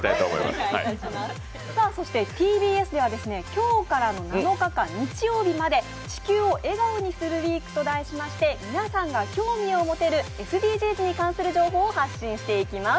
ＴＢＳでは今日からの７日間、日曜日まで「地球を笑顔にするＷＥＥＫ」と題しまして皆さんが興味を持てるＳＤＧｓに関する情報を発信していきます。